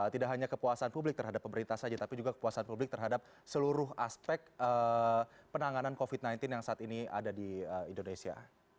tidak hanya kepuasan publik terhadap pemerintah saja tapi juga kepuasan publik terhadap seluruh aspek penanganan covid sembilan belas yang saat ini ada di indonesia